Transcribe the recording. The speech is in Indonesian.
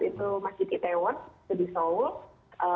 itu masjid itaewon itu di seoul